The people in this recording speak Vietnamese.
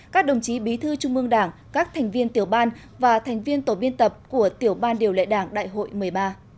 các đồng chí bí thư trung mương đảng các thành viên tiểu ban và thành viên tổ biên tập của tiểu ban điều lệ đảng đại hội một mươi ba